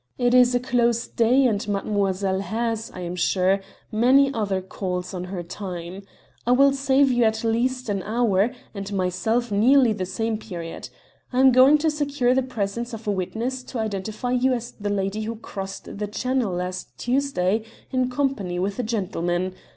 It is a close day and mademoiselle has, I am sure, many other calls on her time. I will save you at least an hour, and myself nearly the same period. I am going to secure the presence of a witness to identify you as the lady who crossed the Channel last Tuesday in company with a gentleman.